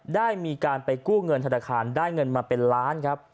ได้มีการไปกู้เงินธนาคารได้เงินมาเป็นล้านครับ